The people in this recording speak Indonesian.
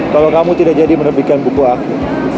kalau kamu tidak jadi menerbitkan buku aku